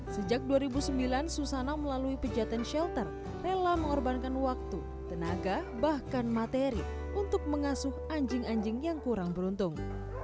sejak dua ribu sembilan susana melalui pejaten shelter rela mengorbankan waktu tenaga bahkan materi untuk mengasuh anjing anjing yang kurang beruntung